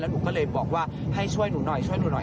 แล้วหนูก็เลยบอกว่าให้ช่วยหนูหน่อย